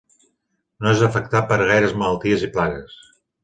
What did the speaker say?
No és afectat per gaires malalties i plagues.